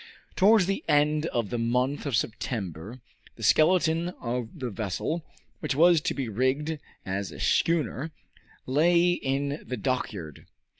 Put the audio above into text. Towards the end of the month of September the skeleton of the vessel, which was to be rigged as a schooner, lay in the dockyard.